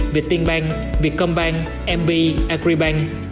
việt tiên bang việt công bang mb agribank